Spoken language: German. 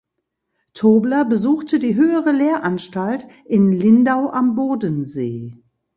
Tobler besuchte die Höhere Lehranstalt in Lindau am Bodensee.